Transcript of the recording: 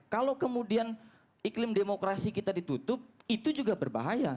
kalau kemudian iklim demokrasi kita ditutup itu juga berbahaya